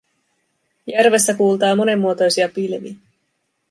Järvessä kuultaa monenmuotoisia pilviä.